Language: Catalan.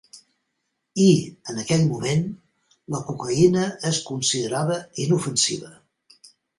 Y, en aquell moment, la cocaïna es considerava inofensiva.